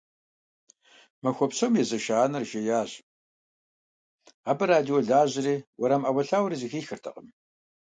Махуэ псом езэша анэр жеящ, абы радио лажьэри, уэрам Ӏэуэлъауэри зэхихыртэкъым.